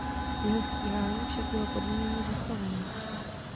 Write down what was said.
Jeho stíhání však bylo podmíněně zastaveno.